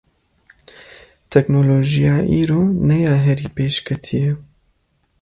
Teknolojiya îro ne ya herî pêşketî ye.